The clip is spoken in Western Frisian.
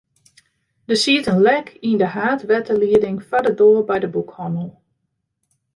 Der siet in lek yn de haadwetterlieding foar de doar by de boekhannel.